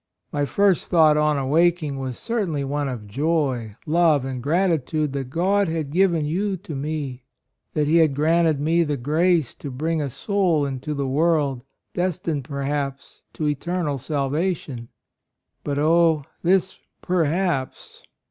My first thought on awaking was certainly one of joy, love and gratitude that God had given you to me, — that He had 26 A ROYAL SON granted me the grace to bring a soul into the world, destined, perhaps, to eternal salvation. But, oh, this 'perhaps'!